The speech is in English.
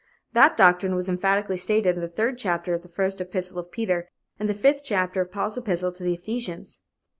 That doctrine was emphatically stated in the Third Chapter of the First Epistle of Peter and the Fifth Chapter of Paul's Epistle to the Ephesians.